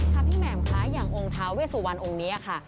พี่แหม่มคะอย่างองค์ท้าเวสุวรรณองค์นี้ค่ะ